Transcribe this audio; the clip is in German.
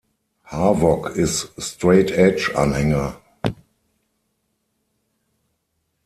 Havok ist Straight-Edge-Anhänger.